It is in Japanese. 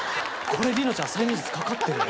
これりのちゃん催眠術かかってるね。